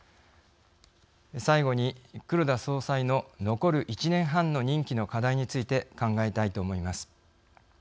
最後に黒田総裁の残る１年半の任期の課題について考えたいと思います。